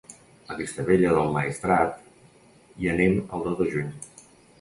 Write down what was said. A Vistabella del Maestrat hi anem el dos de juny.